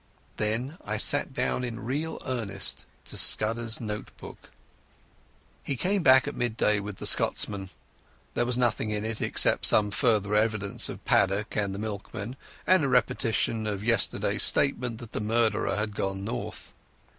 Then I sat down in real earnest to Scudder's note book. He came back at midday with the Scotsman. There was nothing in it, except some further evidence of Paddock and the milkman, and a repetition of yesterday's statement that the murderer had gone North.